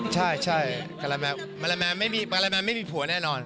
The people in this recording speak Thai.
อ๋อใช่การแมงไม่มีผัวแน่นอน